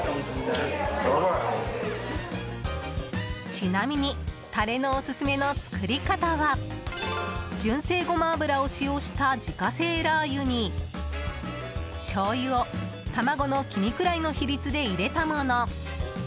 ちなみにタレのオススメの作り方は純正ゴマ油を使用した自家製ラー油にしょうゆを、卵の黄身くらいの比率で入れたもの。